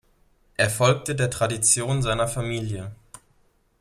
Er folgte der Tradition seiner Familie.